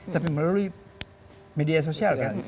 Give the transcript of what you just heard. tapi melalui media sosial